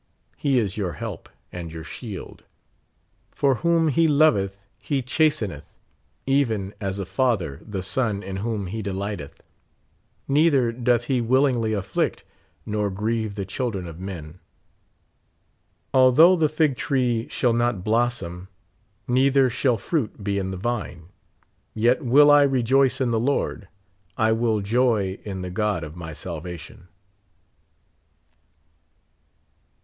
He is your help and your shield ; for whom he loveth he chasteneth, even as a father the son in whom he delighteth ; neither doth he willingly atflict nor grieve the children of men. Although the fig tree shall not blossom, neither shall .fruit be in the vine, yet will I rejoice in the Lord, I will joy in the God of my salvation.